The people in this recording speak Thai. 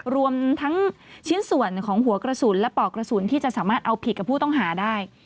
รวมทั้งชิ้นส่วนของหัวกระสุนและปอกกระสุนที่จะสามารถเอาผิดกับผู้ต้องหาได้